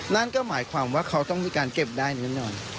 นั่นก็หมายความว่าเขาต้องมีการเก็บได้แน่นอน